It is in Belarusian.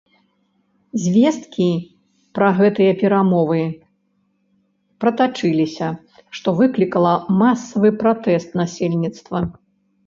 Звесткі пра гэтыя перамовы пратачыліся, што выклікала масавы пратэст насельніцтва.